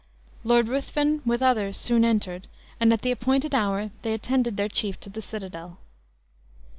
Lord Ruthven with others soon entered; and at the appointed hour they attended their chief to the citadel.